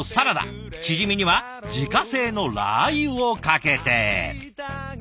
チヂミには自家製のラー油をかけて。